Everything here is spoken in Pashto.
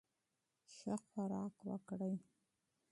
ښه خوراک وکړئ.